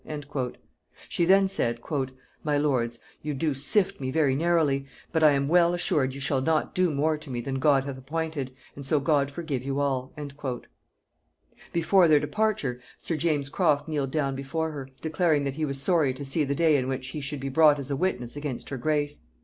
She then said, "My lords, you do sift me very narrowly; but I am well assured you shall not do more to me than God hath appointed, and so God forgive you all." Before their departure sir James Croft kneeled down before her, declaring that he was sorry to see the day in which he should be brought as a witness against her grace.